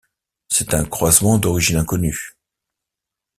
C'est un croisement d'origine inconnue.